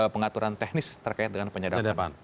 pengaturan teknis terkait dengan penyadapan